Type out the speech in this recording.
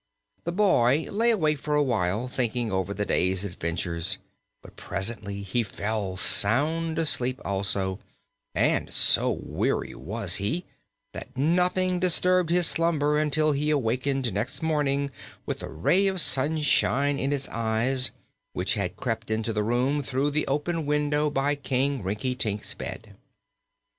The boy lay awake for a while thinking over the day's adventures, but presently he fell sound asleep also, and so weary was he that nothing disturbed his slumber until he awakened next morning with a ray of sunshine in his eyes, which had crept into the room through the open window by King Rinkitink's bed.